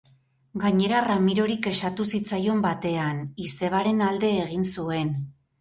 Gainera, Ramirori kexatu zitzaion batean, izebaren alde egin zuen.